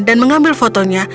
dan mengambil foto fotonya